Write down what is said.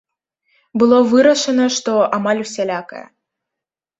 Было вырашана, што амаль усялякая.